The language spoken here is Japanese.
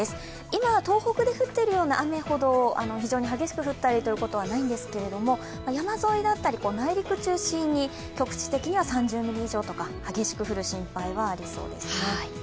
今、東北で降っているような雨ほど非常に激しく降ったりということはないんですけども山沿いだったり内陸中心に局地的には３０ミリ以上とか激しく降る心配はありそうですね。